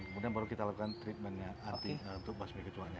kemudian baru kita lakukan treatmentnya arti untuk basmi ketuanya